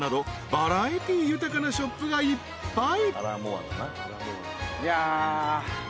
［バラエティー豊かなショップがいっぱい］